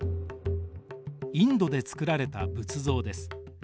インドで作られた仏像です。